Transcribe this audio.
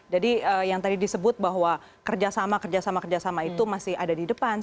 jadi yang tadi disebut bahwa kerjasama kerjasama itu masih ada di depan